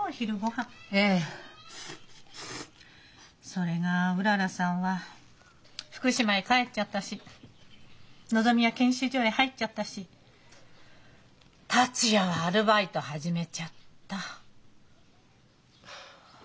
それがうららさんは福島へ帰っちゃったしのぞみは研修所へ入っちゃったし達也はアルバイト始めちゃった。